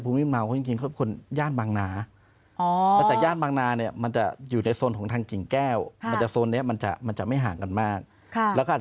คือจุดที่เข้าไปอยู่ในพื้นที่ของสมุทรปราการแล้ว